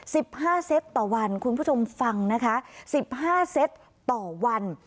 ๑๕เซตต่อวันคุณผู้ชมฟังนะคะ๑๕เซตต่อวัน